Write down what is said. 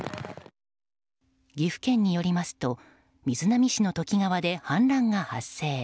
岐阜県によりますと瑞浪市の土岐川で氾濫が発生。